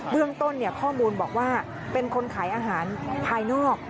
เรื่องต้นข้อมูลบอกว่าเป็นคนขายอาหารภายนอก